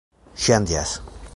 ŝanĝas